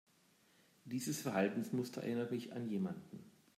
Dieses Verhaltensmuster erinnert mich an jemanden.